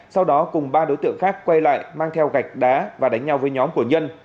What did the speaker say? sau đó cùng ba đối tượng khác quay lại mang theo gạch đá và đánh nhau với nhóm của nhân